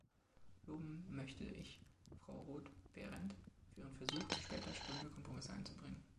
Loben möchte ich Frau Roth-Behrendt für ihren Versuch, zu später Stunde Kompromisse einzubringen.